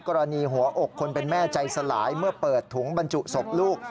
หัวอกคนเป็นแม่ใจสลายเมื่อเปิดถุงบรรจุศพลูก